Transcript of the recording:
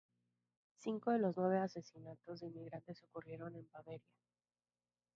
Cinco de los nueve asesinatos de inmigrantes ocurrieron en Baviera.